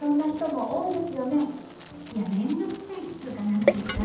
いや面倒くさいっつうか何つうか。